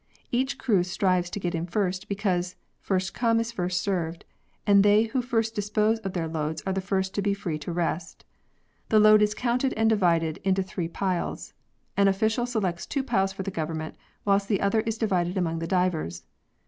Each crew strives to get in first, because " first come is first served," and they who first dispose of their loads are the first to be free to rest. The load is counted and divided into three piles. An official selects two piles for the Government, whilst the other is divided among the divers.